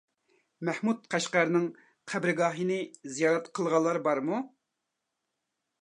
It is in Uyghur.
مەھمۇد قەشقەرىنىڭ قەبرىگاھىنى زىيارەت قىلغانلار بارمۇ؟